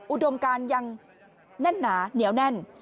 อุดมการยังแน่นหนาเหนียวแน่น